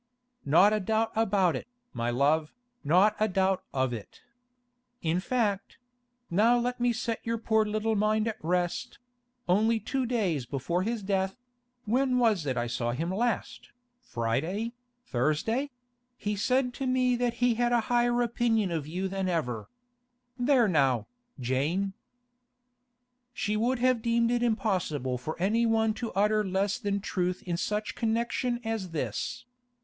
'Not a doubt about it, my love; not a doubt of it. In fact—now let me set your poor little mind at rest—only two days before his death—when was it I saw him last? Friday? Thursday?—he said to me that he had a higher opinion of you than ever. There now, Jane!' She would have deemed it impossible for anyone to utter less than truth in such connection as this.